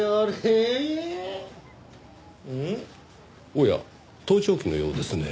おや盗聴器のようですね。